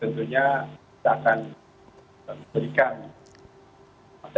tentunya kita akan memberikan